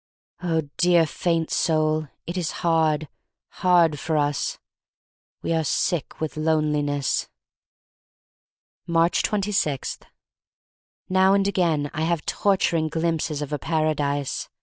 Oh, dear faint soul, it is hard — hard for us. We are sick with loneliness. Aatcb 26. NOW and again I have torturing glimpses of a Paradise.